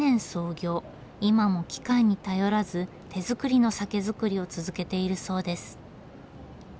今も機械に頼らず手造りの酒造りを続けているそうです。